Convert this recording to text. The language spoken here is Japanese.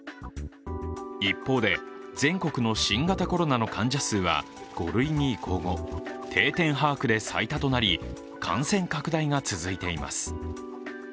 一方で、全国の新型コロナの患者数は５類に移行後、定点把握で最多となり、感染拡大が続いています。